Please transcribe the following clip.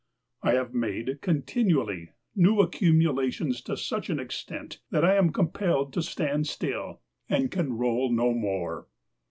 I have made, continually, new accumulations to such an extent that I am compelled to stand still, and can roll no more!